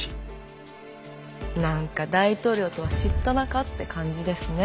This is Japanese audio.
何か大統領とは知った仲って感じですね。